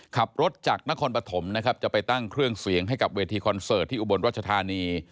ขับรถจากนครปฐมนะครับจะไปตั้งเครื่องเสียงให้กับเวทีคอนเสิร์ตที่อุบลรัชธานี